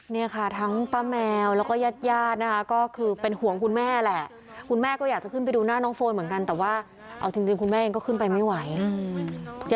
เนี่ยค่ะทั้งป้าแมวแล้วก็ญาติญาตินะคะก็คือเป็นห่วงคุณแม่แหละคุณแม่ก็อยากจะขึ้นไปดูหน้าน้องโฟนเหมือนกันแต่ว่าเอาจริงจริงคุณแม่เองก็ขึ้นไปไม่ไหวอืม